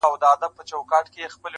مخامخ سوله په جنګ کي دوه پوځونه -